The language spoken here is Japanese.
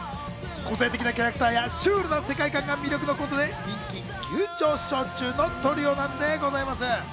個性的なキャラクターやシュールな世界感が魅力のコントで人気急上昇中のトリオなんでございます。